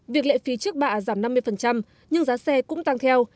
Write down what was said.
việc lệ phí trước bạ giảm năm mươi nhưng giá xe cũng tăng theo